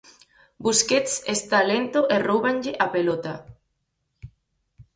Busquets está lento e róubanlle a pelota.